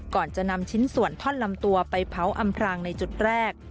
ก่อนจะนำชิ้นส่วนท่อนลำตัวไปเผาอำพรางในจุดแรก